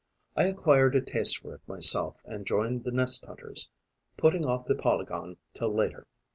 I acquired a taste for it myself and joined the nest hunters, putting off the polygon till later.